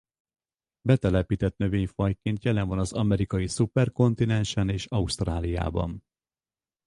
Betelepített növényfajként jelen van az amerikai szuperkontinensen és Ausztráliában.